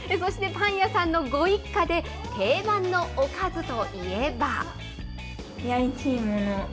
パン屋さんのご一家で、定番のおかずといえば。